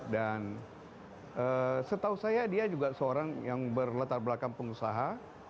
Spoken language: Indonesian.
dan setahu saya dia juga seorang yang berletar belakang pengusaha